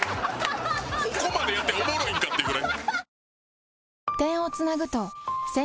ここまでやっておもろいんかっていうぐらい。